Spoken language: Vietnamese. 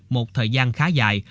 một thời gian khá dài